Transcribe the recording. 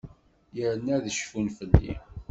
Yerna ad cfun fell-i.